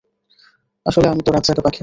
আসলে, আমি তো রাতজাগা পাখি।